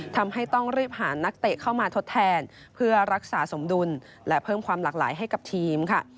ทำให้ต้องรีบหานักเตะเข้ามาทดแทนเพื่อรักษาสมดุลและเพิ่มความหลากหลายให้กับทีมค่ะ